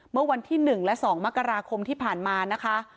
เมื่อวันที่๑และ๒มกราคมที่ผ่านมานะคะ